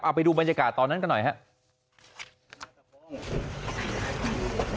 ไปดูบรรยากาศตอนนั้นกันหน่อยครับ